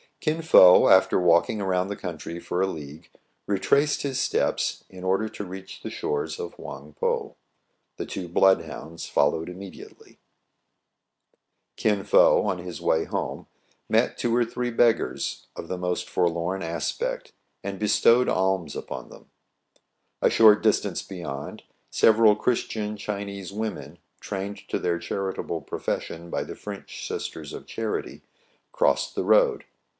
Kin Fo, after walking around the country for a tVAYS AND CUSTOMS OF THE CHINESE, 79 league, retraced his steps, in order to reach the shores of Houang Pou. The two blood hounds immediately followed. Kin Fo, on his way home, met two or three beg gars, of the most forlorn aspect, and bestowed alms upon them. A short distance beyond, several Christian Chi nese women, trained to their charitable profession by the French Sisters of Charity, crossed the road.